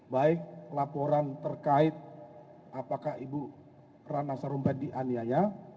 baik laporan terkait apakah ibu rana sarumpayat dianiaya